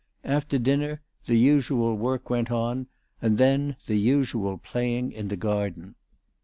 After dinner the usual work went on, and then the usual playing in the garden.